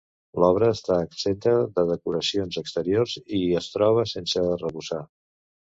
L'obra està exempta de decoracions exteriors i es troba sense arrebossar.